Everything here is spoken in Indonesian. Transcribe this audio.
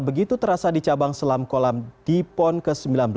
begitu terasa di cabang selam kolam di pon ke sembilan belas